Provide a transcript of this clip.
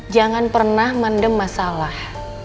jangan pernah mandem masalah